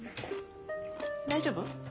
大丈夫？